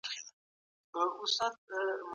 په ادارو کي باید د فساد پر وړاندي جدي هوډ موجود وي.